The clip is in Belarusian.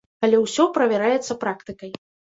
Але ўсё правяраецца практыкай.